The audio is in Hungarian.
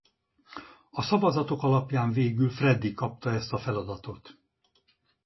A szavazatok alapján végül Freddie kapta ezt a feladatot.